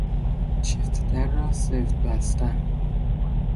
چفت در را سفت بستن